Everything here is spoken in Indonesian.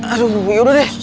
aduh yuk deh